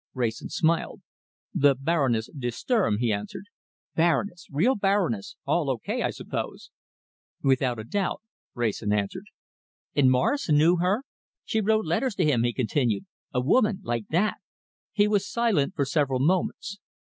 Wrayson smiled. "The Baroness de Sturm," he answered. "Baroness! Real Baroness! All O.K., I suppose?" "Without a doubt," Wrayson answered. "And Morris knew her she wrote letters to him," he continued, "a woman like that." He was silent for several moments.